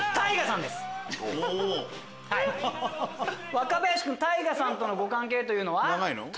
若林君ＴＡＩＧＡさんとのご関係というのは？